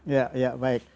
ya ya baik